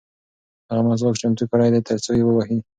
هغه مسواک چمتو کړی دی ترڅو یې ووهي.